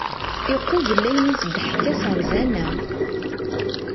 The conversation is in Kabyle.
Iqubel ayen i as-d-teḥka s rẓana.